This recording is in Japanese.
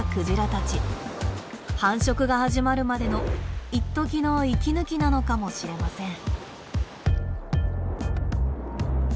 繁殖が始まるまでのいっときの息抜きなのかもしれません。